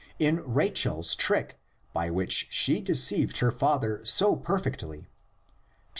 in Rachel's trick by which she deceived her father so perfectly (xxxi.